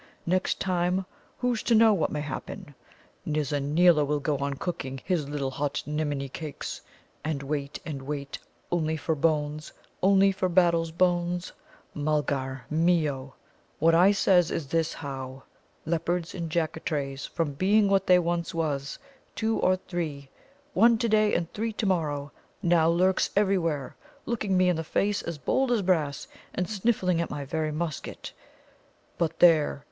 Next time who's to know what may happen? Nizza neela will go on cooking his little hot niminy cakes, and wait and wait only for bones only for Battle's bones, Mulgar mio. What I says is this how: leopards and Jaccatrays, from being what they once was, two or three, one to day and three to morrow, now lurks everywhere, looking me in the face as bold as brass, and sniffling at my very musket. But, there!